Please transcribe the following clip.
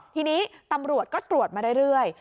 ทีนี้ตำรวจก็ตรวจมาเรื่อย